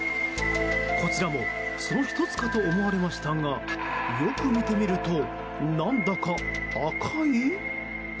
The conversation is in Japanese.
こちらもその１つかと思われましたがよく見てみると、何だか赤い？